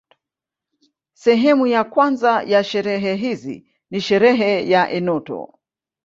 Sehemu ya kwanza ya sherehe hizi ni sherehe ya enoto